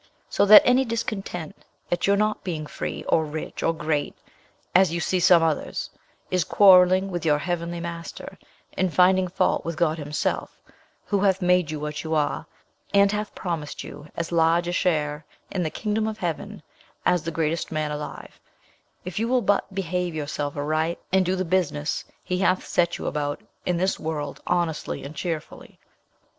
So that any discontent at your not being free, or rich, or great, as you see some others, is quarrelling with your heavenly Master, and finding fault with God himself, who hath made you what you are, and hath promised you as large a share in the kingdom of heaven as the greatest man alive, if you will but behave yourself aright, and do the business he hath set you about in this world honestly and cheerfully.